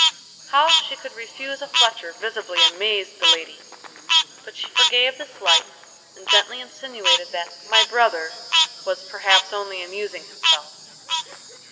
How she could refuse a Fletcher visibly amazed the lady; but she forgave the slight, and gently insinuated that "my brother" was, perhaps, only amusing himself.